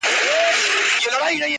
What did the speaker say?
زما خبرو ته لا نوري چیغي وکړه.